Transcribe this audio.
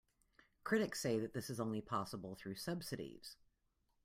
Critics say that this is only possible through subsidies.